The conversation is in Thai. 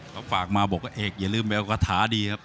เขาฝากมาบอกว่าเอกอย่าลืมไปเอากระถาดีครับ